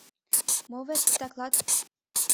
Мо верч титаклат?